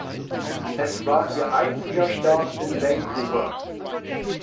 Es war ihr einziger Start in Vancouver.